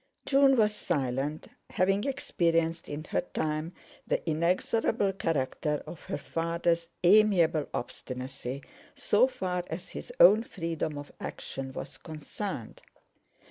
June was silent, having experienced in her time the inexorable character of her father's amiable obstinacy so far as his own freedom of action was concerned.